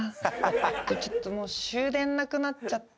ちょっともう終電なくなっちゃって。